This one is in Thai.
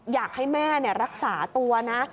อยากให้แม่รักษาตัวนะ